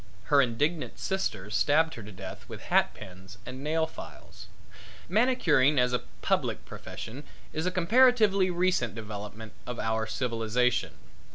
Her indignant sisters stabbed her to death with hat pins and nail files. Manicuring as a public profession is a comparatively recent development of our civilization.